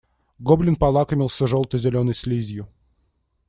Гоблин полакомился желто-зеленой слизью.